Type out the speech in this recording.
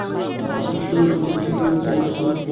Missile সোজা তোমার পেছনে রয়েছে, রুস্টার।